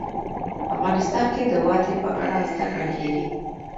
افغانستان کې د وادي په اړه زده کړه کېږي.